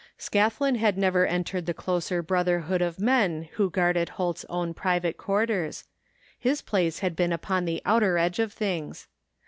Scathlin had never entered the closer brotherhood of men who guarded Holt's own private quarters. His place had been upon the outer edge of things.